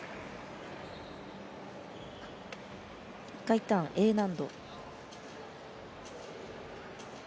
１回ターン、Ａ難度。